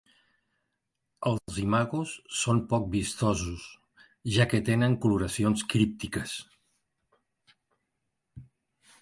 Els imagos són poc vistosos, ja que tenen coloracions críptiques.